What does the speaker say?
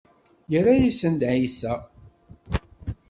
Yerra-asent-d ɛisa.